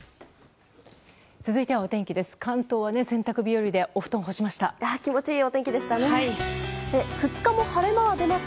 続いては、お天気です。